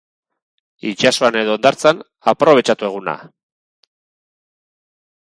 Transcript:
Itsasoan edo hondartzan, aprobetxatu eguna!